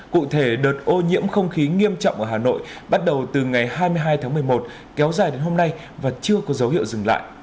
cụ thể đợt ô nhiễm không khí nghiêm trọng ở hà nội bắt đầu từ ngày hai mươi hai tháng một mươi một kéo dài đến hôm nay và chưa có dấu hiệu dừng lại